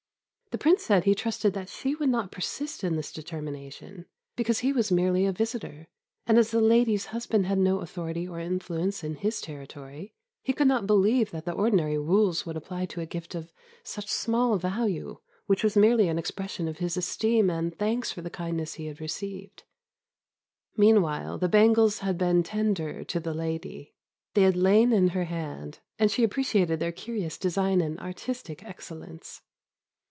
The Prince said he trusted that she would not persist in this determination, because he was merely a visitor, and as the lady's husband had no authority or influence in his territory, he could not believe that the ordinary rules would apply to a gift of such small value, which was merely an expression of his esteem and thanks for the kindness he had received. Meanwhile the bangles had been tendered to the lady; they had lain in her hand, and she appreciated their curious design and artistic excellence.